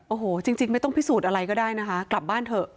โอ้โหจริงไม่ต้องพิสูจน์อะไรก็ได้นะคะกลับบ้านเถอะ